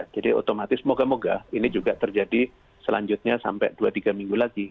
jadi otomatis moga moga ini juga terjadi selanjutnya sampai dua tiga minggu lagi